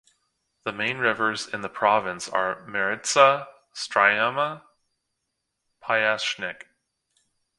The main rivers in the province are Maritsa, Stryama, Pyasachnik.